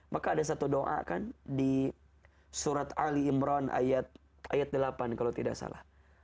maka ada satu doa kan di surat ali imran ayat delapan kalau tidak salah